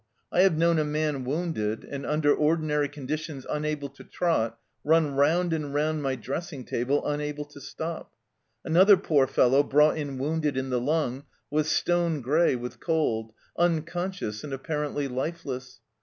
I have known a man wounded, and under ordinary conditions unable to trot, run round and round my dressing table unable to stop. Another poor fellow, brought in wounded in the lung, was stone grey with cold, unconscious, and apparently lifeless.